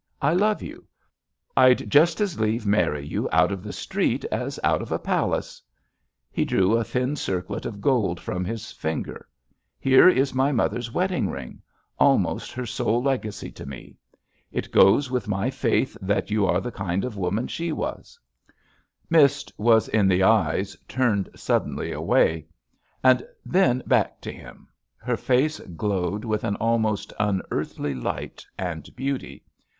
I love you — I'd just as lieve marry you out of the street as out of a palace I" He drew a thin circlet of ;old from his finger. "Here is my mother's JUST SWEETHEARTS wedding ring, almost her sole legacy to me. It goes with my faith that you are the kind of woman she wasl" Mist was in the eyes, turned suddenly away, and then back to him. Her face glowed with an almost unearthly light and beauty.